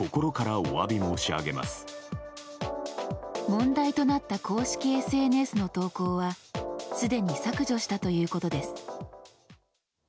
問題となった公式ＳＮＳの投稿はすでに削除したということです。